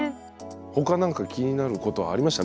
他なんか気になることありました？